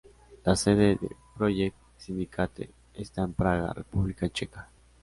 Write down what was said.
La sede de Project Syndicate está en Praga, República Checa.